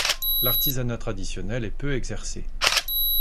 L’artisanat traditionnel est peu exercé.